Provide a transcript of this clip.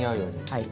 はい。